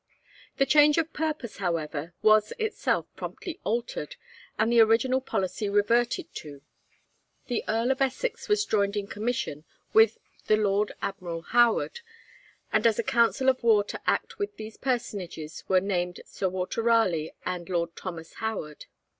The change of purpose, however, was itself promptly altered, and the original policy reverted to. The Earl of Essex was joined in commission with the Lord Admiral Howard, and as a council of war to act with these personages were named Sir Walter Raleigh and Lord Thomas Howard.